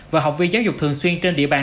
và học viên giáo dục thường xuyên trên địa bàn